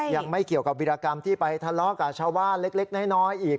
ยังไม่เกี่ยวกับวิรากรรมที่ไปทะเลาะกับชาวบ้านเล็กน้อยอีก